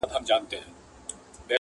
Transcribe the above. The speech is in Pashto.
o خو چوپتيا لا درنه ده تل,